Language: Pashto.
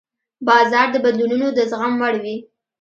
بازار د بدلونونو د زغم وړ وي.